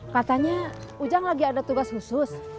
katanya ujang lagi ada tugas khusus